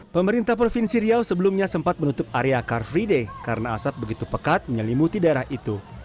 pemerintah provinsi riau sebelumnya sempat menutup area car free day karena asap begitu pekat menyelimuti daerah itu